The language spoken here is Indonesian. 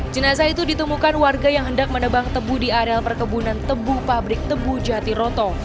jenazah itu ditemukan warga yang hendak menebang tebu di areal perkebunan tebu pabrik tebu jatiroto